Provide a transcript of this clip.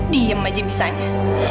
diem aja bisanya